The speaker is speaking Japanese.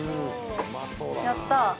やった。